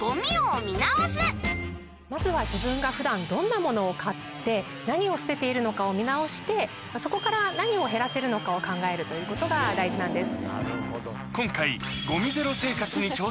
まずは自分が普段どんなものを買って何を捨てているのかを見直してそこから何を減らせるのかを考えるということが大事なんです。